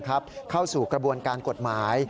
เข้าสู่กระบวนการกฎหมาย